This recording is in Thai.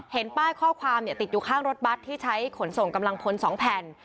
ป้ายข้อความติดอยู่ข้างรถบัตรที่ใช้ขนส่งกำลังพล๒แผ่น